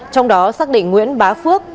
trong đó xác định nguyễn bá phước